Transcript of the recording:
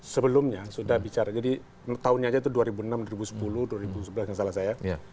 sebelumnya sudah bicara jadi tahunnya aja itu dua ribu enam dua ribu sepuluh dua ribu sebelas nggak salah saya